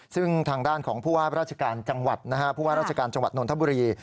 ซึ่งทางด้านของผู้ว่าราชการจังหวัดนะฮะผู้ว่าราชการจังหวัดนทบุรี